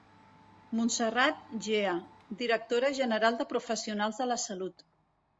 Montserrat Gea, directora general de Professionals de la Salut.